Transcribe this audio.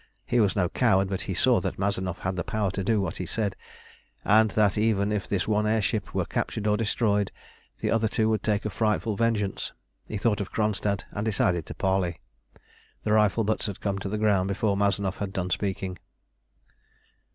He was no coward, but he saw that Mazanoff had the power to do what he said, and that even if this one air ship were captured or destroyed, the other two would take a frightful vengeance. He thought of Kronstadt, and decided to parley. The rifle butts had come to the ground before Mazanoff had done speaking.